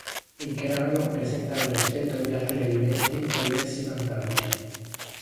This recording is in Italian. Il grano presentava rispetto agli altri alimenti diversi vantaggi.